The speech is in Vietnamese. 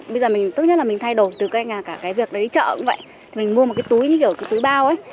bây giờ tốt nhất là mình thay đổi từ cái việc đi chợ cũng vậy mình mua một cái túi như kiểu túi bao ấy